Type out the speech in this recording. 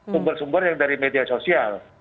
sumber sumber yang dari media sosial